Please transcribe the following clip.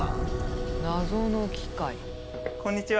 こんにちは。